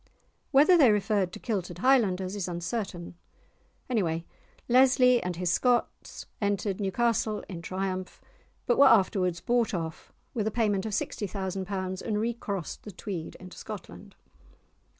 Whether they referred to kilted Highlanders is uncertain. Anyway, Leslie and his Scots entered Newcastle in triumph, but were afterwards bought off with a payment of £60,000 and recrossed the Tweed into Scotland.